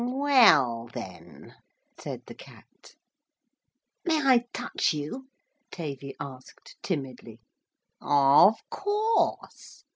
'Well then,' said the Cat. 'May I touch you?' Tavy asked timidly. 'Of course!